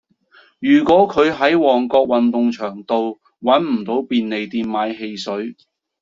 如果佢喺旺角運動場道搵唔到便利店買汽水